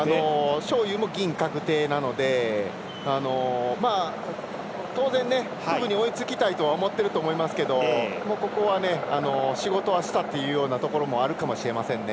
章勇も銀、確定なので当然、フグに追いつきたいとは思っていると思いますけどここは仕事はしたっていうようなところもあるかもしれませんね。